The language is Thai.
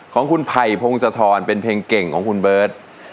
ของคุณไผ่พงศธรเป็นเพลงเก่งของคุณเบิร์ต